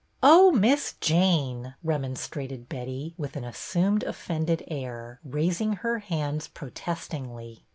"Oh, Miss Jane," remonstrated Betty, with an assumed offended air, raising her hands protestingly.